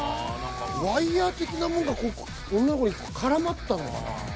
ワイヤー的なもんがこう女の子に絡まったのかな？